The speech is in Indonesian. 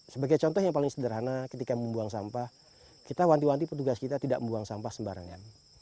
sebagai contoh yang paling sederhana ketika membuang sampah kita wanti wanti petugas kita tidak membuang sampah sembarangan